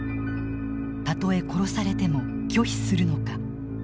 たとえ殺されても拒否するのか。